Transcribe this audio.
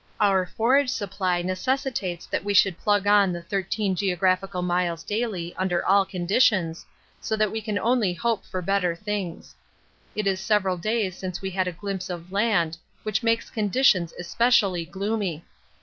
Our forage supply necessitates that we should plug on the 13 (geographical) miles daily under all conditions, so that we can only hope for better things. It is several days since we had a glimpse of land, which makes conditions especially gloomy.